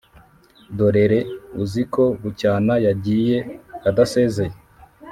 dorere uziko bucyana yagiye adasezeye